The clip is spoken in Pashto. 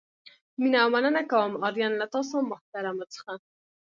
مینه او مننه کوم آرین له تاسو محترمو څخه.